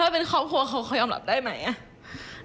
ถ้าเป็นครอบครัวเขายอมรับได้ไหมอ่ะ